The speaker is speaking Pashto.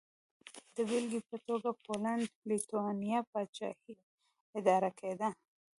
د بېلګې په توګه پولنډ-لېتوانیا پاچاهي اداره کېده.